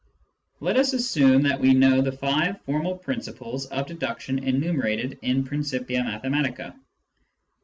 Let us assume that we know the five formal principles of deduction enumerated in Principia Mathematica.